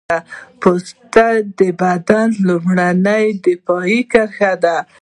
پوست د بدن لومړنۍ دفاعي کرښه ده.